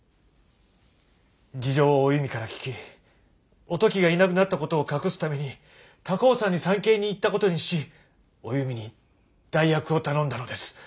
事情をお弓から聞きおトキがいなくなったことを隠すために高尾山に参詣に行ったことにしお弓に代役を頼んだのです。